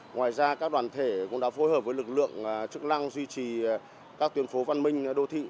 ngoài ra các đoàn thể cũng đã phối hợp với lực lượng chức lăng duy trì các tuyển phố văn minh đồ thị